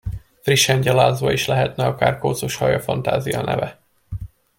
Frissen gyalázva is lehetne akár kócos haja fantázianeve.